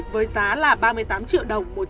với giá là ba mươi tám triệu đồng